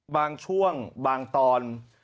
บางช่วงบางตอน